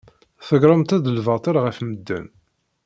Tegremt-d lbaṭel ɣef medden.